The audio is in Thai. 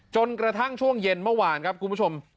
จนกระทั่งช่วงเย็นเมื่อวานครับคุณผู้ชม